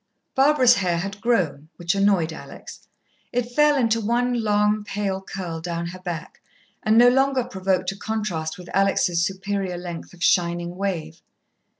Barbara's hair had grown, which annoyed Alex. It fell into one long, pale curl down her back, and no longer provoked a contrast with Alex' superior length of shining wave.